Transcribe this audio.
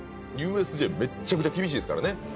ＵＳＪめっちゃくちゃ厳しいですからね